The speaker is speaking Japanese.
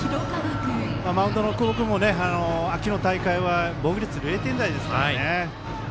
マウンドの久保君は秋の大会は防御率０点台ですから。